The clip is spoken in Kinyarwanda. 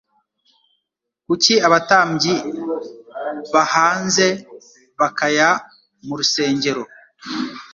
Kuki abatambyi bahanze bakaya mu rusengero?